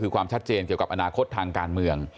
คือความชัดเจนเกี่ยวกับอนาคตทางการเมือง